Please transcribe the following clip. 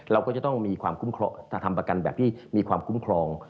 เราก็จะต้องมีความคุ้มครอง